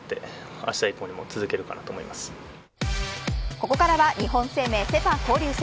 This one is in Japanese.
ここからは日本生命セ・パ交流戦。